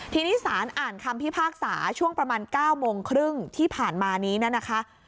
ทีนี้สารอ่านคำพิพากษาช่วงประมาณ๙โมงครึ่งที่ผ่านมานี้นะคะ